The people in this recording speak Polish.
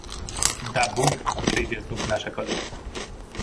"Da Bóg, przyjdzie znów nasza kolej!"